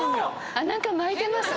何か巻いてます。